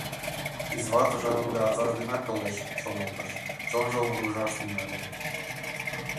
«Изватыже ынде азаж денак толеш, — шоналтыш, чонжо вургыжаш тӱҥале.